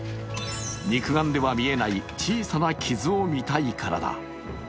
肉眼では見えない小さな傷を見たいからだ。